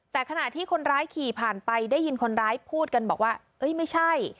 แต่ขณะที่คนร้ายขี่ผ่านไปได้ยินคนร้ายพูดกันบอกว่าเอ้ยไม่ใช่